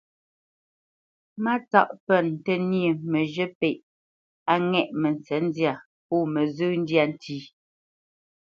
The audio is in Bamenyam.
Mátsáʼ pə́nə ntə́ nyê məzhə̂ pêʼ á ŋɛ̂ʼ mətsə̌ndyâ pó məzhyə́ ndyâ ntí.